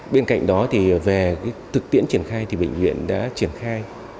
bên cạnh đó thì về thực tiễn triển khai thì bệnh viện đã triển khai